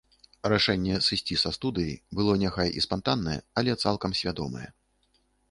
Рашэнне сысці са студыі было няхай і спантаннае, але цалкам свядомае.